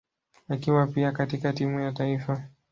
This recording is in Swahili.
akiwa pia katika timu ya taifa.